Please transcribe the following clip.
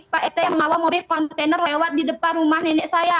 pak itu yang bawa mobil kontainer lewat di depan rumah nenek saya